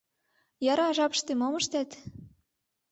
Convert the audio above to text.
— Яра жапыште мом ыштет?